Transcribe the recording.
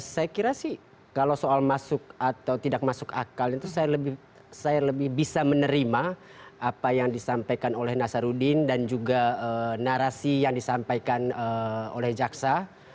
saya kira sih kalau soal masuk atau tidak masuk akal itu saya lebih bisa menerima apa yang disampaikan oleh nasarudin dan juga narasi yang disampaikan oleh jaksa